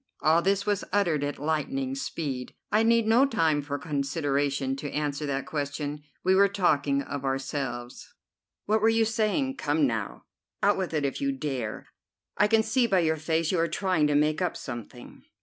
All this was uttered at lightning speed. "I need no time for consideration to answer that question. We were talking of ourselves." "What were you saying? Come now, out with it if you dare. I can see by your face you are trying to make up something."